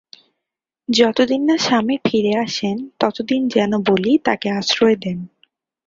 যতদিন না স্বামী ফিরে আসেন, ততদিন যেন বলি তাঁকে আশ্রয় দেন।